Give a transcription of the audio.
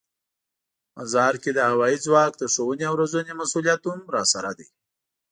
مزار کې د هوايي ځواک د ښوونې او روزنې مسوولیت هم راسره دی.